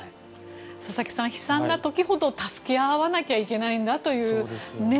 佐々木さん、悲惨な時ほど助け合わなきゃいけないなという。